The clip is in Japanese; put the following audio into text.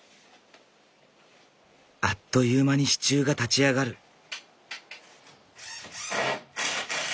あっという間に支柱が立ち上がる。